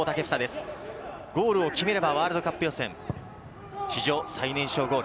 ゴールを決めればワールドカップ予選史上最年少ゴール。